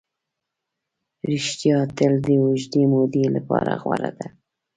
ریښتیا تل د اوږدې مودې لپاره غوره ده.